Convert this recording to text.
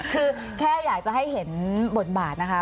คือแค่อยากจะให้เห็นบทบาทนะคะ